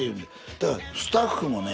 だからスタッフもね